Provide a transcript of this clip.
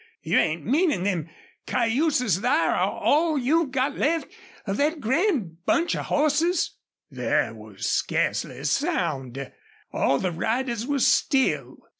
You ain't meanin' them cayuses thar are all you've got left of thet grand bunch of hosses?" There was scarcely a sound. All the riders were still.